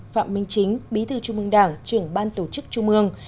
phạm minh chính bí thư trung ương đảng trưởng ban tổ chức trung ương